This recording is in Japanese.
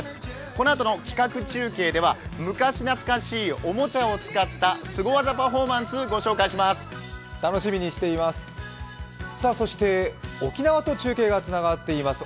このあとの企画中継では昔懐かしいおもちゃを使ったスゴ技パフォーマンス御紹介します。